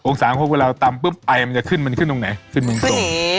องศาลพวกเวลาตำปึ๊บไปมันจะขึ้นมันขึ้นตรงไหนขึ้นตรงนี้